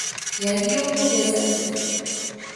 Ya vyungu vya Zanzibar